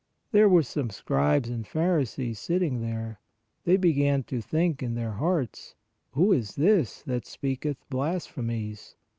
There were some scribes and pharisees sit ting there ; they began to think in their hearts : Who is this that speaketh blasphemies?